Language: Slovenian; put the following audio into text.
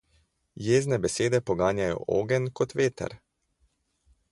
Jezne besede poganjajo ogenj kot veter.